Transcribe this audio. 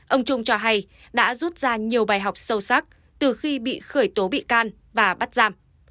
ông trung cho hay đã rút ra nhiều bài học sâu sắc từ khi bị khởi tố bị can và bắt giam